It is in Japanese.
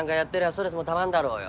ストレスもたまんだろうよ。